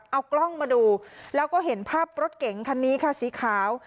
เอากล้องมาดูแล้วก็เห็นภาพรถเก๋งคันนี้ค่ะสีขาว